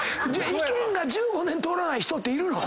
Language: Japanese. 意見が１５年通らない人っているの？